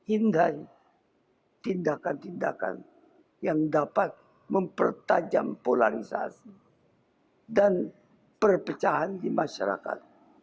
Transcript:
hingga tindakan tindakan yang dapat mempertajam polarisasi dan perpecahan di masyarakat